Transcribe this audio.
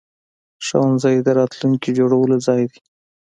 ښوونځی د راتلونکي جوړولو ځای دی.